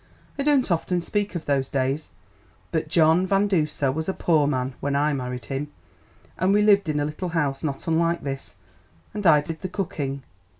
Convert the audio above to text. I don't often speak of those days, but John Van Duser was a poor man when I married him, and we lived in a little house not unlike this, and I did the cooking.